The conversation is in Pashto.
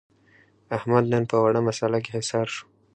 احمد نن په وړه مسعله کې حصار شو.